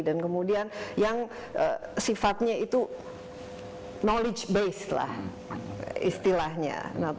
dan kemudian yang sifatnya itu knowledge base lah istilahnya